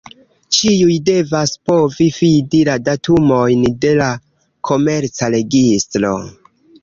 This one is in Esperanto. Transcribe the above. Ĉiuj devas povi fidi la datumojn de la Komerca registro.